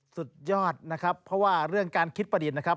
สุดยอดนะครับเพราะว่าเรื่องการคิดประดิษฐ์นะครับ